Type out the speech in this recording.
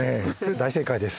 大正解です。